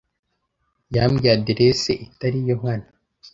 Yambwiye adresse itariyo nkana.